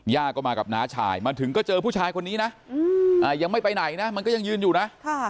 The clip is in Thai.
ย่าก็มากับน้าชายมาถึงก็เจอผู้ชายคนนี้นะยังไม่ไปไหนนะมันก็ยังยืนอยู่นะ